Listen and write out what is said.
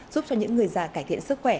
giúp cho những người già cải thiện sức khỏe